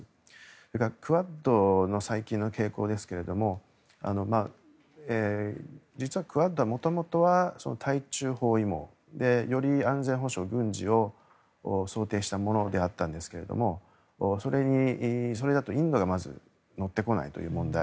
それから、クアッドの最近の傾向ですけれども実はクアッドは元々は対中包囲網でより安全保障、軍事を想定したものであったんですがそれだとインドがまず乗ってこないという問題